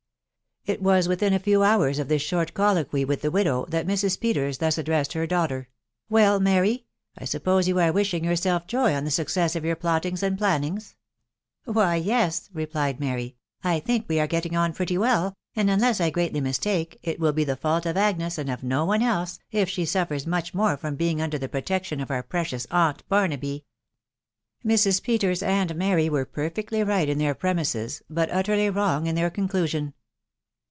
It was within a few hours after this short colloquy with the widow, that Mrs. Peters thus addressed her daughter, " Well, Mary !.... I suppose you are wishing yourself joy on the success of your plottings and plannings." e< Why, yes," .... replied Mary ;" I think we are getting on pretty well, and unless I greatly mistake, it will be the fault of Agnes, and of no one else, if she suffers much more from being under the protection of our precious aunt Barnaby." Mrs. Peters and Mary were perfectly right in their pre mises, but utterly wrong in their conclusion.